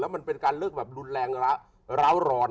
มันเป็นการเลิกแบบรุนแรงร้าวร้อน